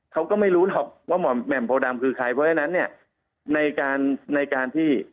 เขาก็ไม่รู้หรอกว่าแหม่มโพดำคือใครเพราะฉะนั้น